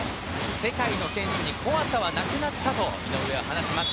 世界の選手に怖さはなくなったと話します。